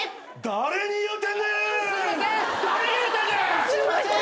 誰に言ってんねん！